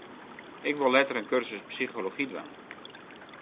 Ik wol letter in kursus psychology dwaan.